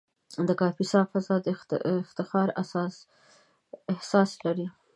د کاپیسا فضا د افتخار احساس لري.